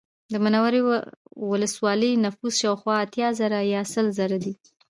د منورې ولسوالۍ نفوس شاوخوا اتیا زره یا سل زره دی